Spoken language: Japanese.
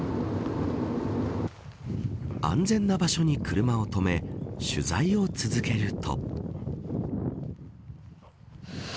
安全な場所に車を止め取材を続けると。